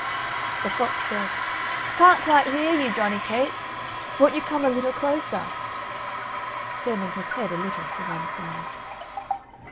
The fox said: "I can't quite hear you, Johnny cake, won't you come a little closer?" turning his head a little to one side.